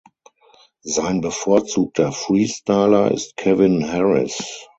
Sein bevorzugter Freestyler ist Kevin Harris.